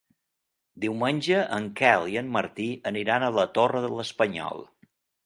Diumenge en Quel i en Martí aniran a la Torre de l'Espanyol.